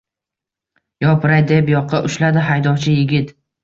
– Yopiray! – deb yoqa ushladi haydovchi yigit